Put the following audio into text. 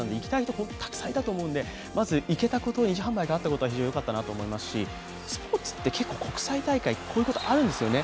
熱高いので、まずいけたこと、２次販売があったことは非常によかったと思いますしスポーツって国際大会、こういうことあるんですよね。